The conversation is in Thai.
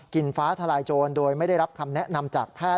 ฟ้าทลายโจรโดยไม่ได้รับคำแนะนำจากแพทย์